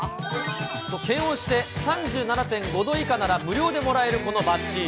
検温して３７．５度以下なら無料でもらえるこのバッジ。